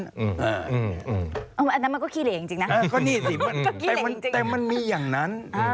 อันนั้นมันก็คีละจริงจริงนะก็นี่สิแต่มันแต่มันมีอย่างนั้น